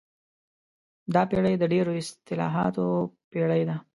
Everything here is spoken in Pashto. دا پېړۍ د ډېرو اصطلاحاتو پېړۍ ده.